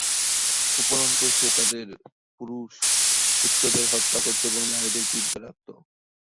উপরন্তু সে তাদের পুত্রদেরকে হত্যা করত এবং নারীদেরকে জীবিত রাখত।